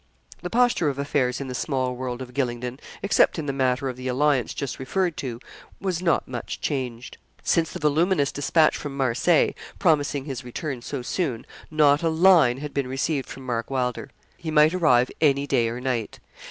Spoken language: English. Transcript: The posture of affairs in the small world of Gylingden, except in the matter of the alliance just referred to, was not much changed. Since the voluminous despatch from Marseilles, promising his return so soon, not a line had been received from Mark Wylder. He might arrive any day or night.